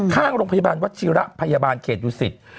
ข้างโรงพยาบาลวัชิระพยาบาลเขตดุสิต